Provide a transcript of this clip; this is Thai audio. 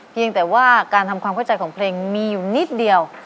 เพียงแต่ว่าการทำความเข้าใจของเพลงมีอยู่นิดเดียว